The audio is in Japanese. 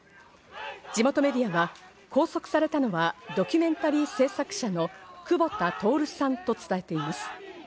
地元メディアは、拘束されたのはドキュメンタリー制作者のクボタ・トオルさんと伝えています。